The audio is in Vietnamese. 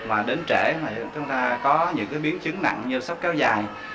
mà đến trễ chúng ta có những biến chứng nặng như sốc kéo dài